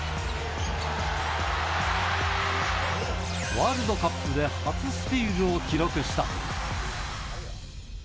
ワールドカップで初スティールを記録した。